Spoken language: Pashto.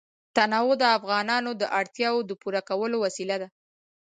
تنوع د افغانانو د اړتیاوو د پوره کولو وسیله ده.